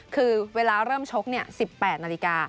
คือเวลาเริ่มชก๑๘นาฬิกา